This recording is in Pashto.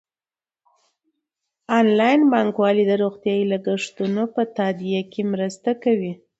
انلاین بانکوالي د روغتیايي لګښتونو په تادیه کې مرسته کوي.